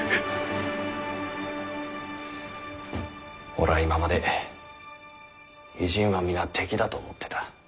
俺は今まで異人は皆敵だと思ってた。